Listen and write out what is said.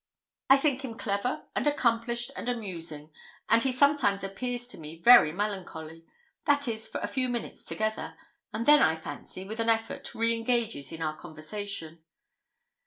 'I think him clever and accomplished, and amusing; but he sometimes appears to me very melancholy that is, for a few minutes together and then, I fancy, with an effort, re engages in our conversation.'